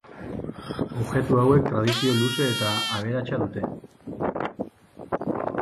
Objektu hauek tradizio luze eta aberatsa dute.